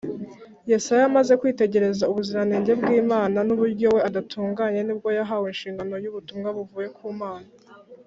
” yesaya amaze kwitegereza ubuziranenge bw’imana n’uburyo we adatunganye, nibwo yahawe inshingano y’ubutumwa buvuye ku mana